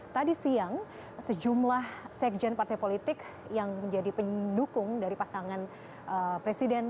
tadi siang sejumlah sekjen partai politik yang menjadi pendukung dari pasangan presiden